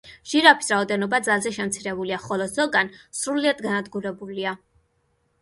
ჟირაფის რაოდენობა ძალზე შემცირებულია, ხოლო ზოგან სრულიად განადგურებულია.